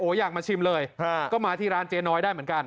อยากมาชิมเลยก็มาที่ร้านเจ๊น้อยได้เหมือนกัน